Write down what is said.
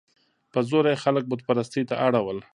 په زوره یې خلک بت پرستۍ ته اړول.